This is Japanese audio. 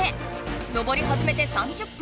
登りはじめて３０分。